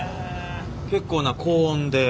結構な高温で。